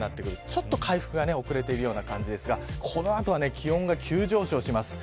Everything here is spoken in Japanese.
ちょっと回復が遅れているような感じですがこの後は気温が急上昇します。